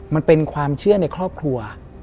มันเป็นความเชื่อในครอบครัว